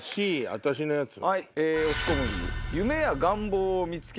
私のやつ。